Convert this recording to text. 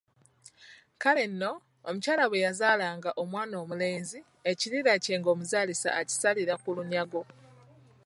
Kale nno, omukyala bwe yazaalanga omwana omulenzi ekirira kye ng’omuzaalisa akisalira ku lunyago.